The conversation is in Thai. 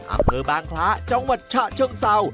อำเภอบางคล้าจังหวัดฉะเชิงเศร้า